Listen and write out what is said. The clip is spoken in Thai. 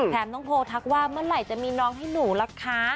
ต้องโทรทักว่าเมื่อไหร่จะมีน้องให้หนูล่ะคะ